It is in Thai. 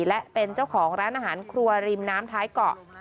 และเป็นเจ้าของร้านอาหารครัวริมน้ำท้ายเกาะ